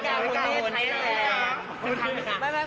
กุญแจพิการคุณเนี่ยไทยแหล่ง